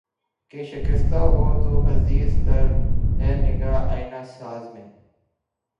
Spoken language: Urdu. کہ شکستہ ہو تو عزیز تر ہے نگاہ آئنہ ساز میں